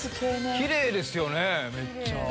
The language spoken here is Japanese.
キレイですよねめっちゃ。